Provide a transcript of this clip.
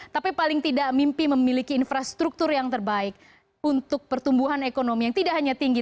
tapi paling tidak mimpi memiliki infrastruktur yang terbaik untuk pertumbuhan ekonomi yang tidak hanya tinggi